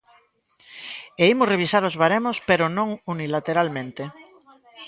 E imos revisar os baremos, pero non unilateralmente.